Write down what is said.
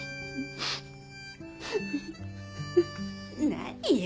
何よ。